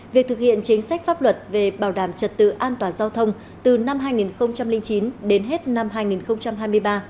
việc thực hiện chính sách pháp luật về bảo đảm trật tự an toàn giao thông từ năm hai nghìn chín đến hết năm hai nghìn hai mươi ba